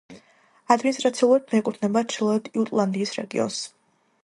ადმინისტრაციულად მიეკუთვნება ჩრდილოეთ იუტლანდიის რეგიონს.